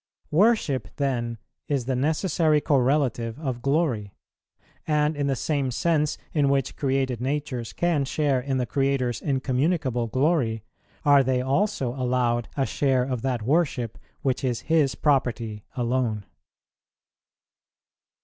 [142:2] Worship then is the necessary correlative of glory; and in the same sense in which created natures can share in the Creator's incommunicable glory, are they also allowed a share of that worship which is His property alone.